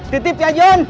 titip ya john